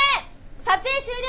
撮影終了！